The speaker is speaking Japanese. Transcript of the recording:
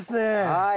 はい！